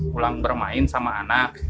pulang bermain sama anak